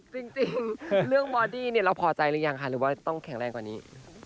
จริงเรื่องบอดี้เราพอใจหรือยังคะหรือว่าต้องแข็งแรงกว่านี้